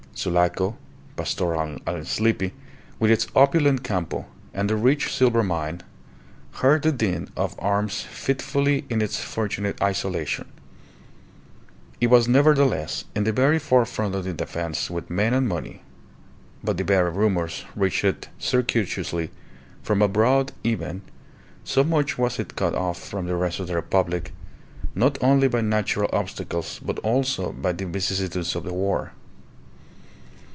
Sulaco, pastoral and sleepy, with its opulent Campo and the rich silver mine, heard the din of arms fitfully in its fortunate isolation. It was nevertheless in the very forefront of the defence with men and money; but the very rumours reached it circuitously from abroad even, so much was it cut off from the rest of the Republic, not only by natural obstacles, but also by the vicissitudes of the war.